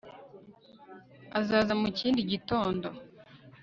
azaza mu kindi gitondo